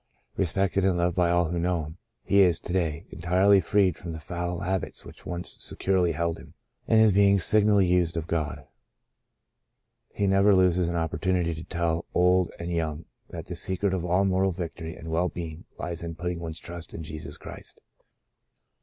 Respected and loved by all who know him, he is, to day, entirely freed from the foul habits which once securely held him, and is being signally used of God. He never loses an opportunity to tell old and young that the secret of all moral victory and well being lies in putting one's trust in Jesus Christ.